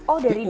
oh dari dulu